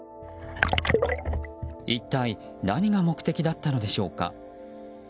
一体、何が目的だったのでしょうか。